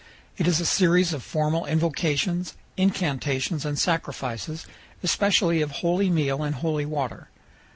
It is a series of formal invocations, incantations, and sacrifices, especially of holy meal and holy water.